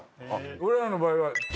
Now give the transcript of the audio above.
俺らの場合は。